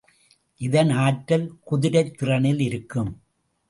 இதன் ஆற்றல் குதிரைத் திறனில் இருக்கும்.